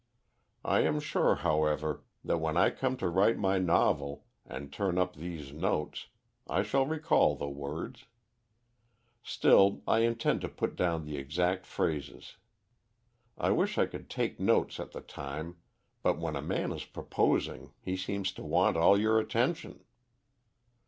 I am sure, however, that when I come to write my novel, and turn up these notes, I shall recall the words. Still, I intended to put down the exact phrases. I wish I could take notes at the time, but when a man is proposing he seems to want all your attention.